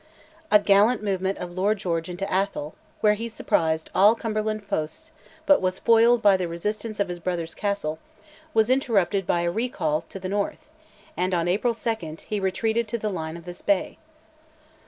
A gallant movement of Lord George into Atholl, where he surprised all Cumberland's posts, but was foiled by the resistance of his brother's castle, was interrupted by a recall to the north, and, on April 2, he retreated to the line of the Spey.